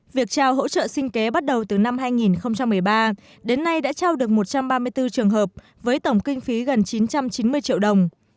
việc trao hỗ trợ sinh kế bắt đầu từ năm hai nghìn một mươi ba đến nay đã trao được một trăm ba mươi bốn trường hợp với tổng kinh phí gần chín trăm chín mươi triệu đồng